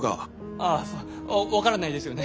ああ分からないですよね？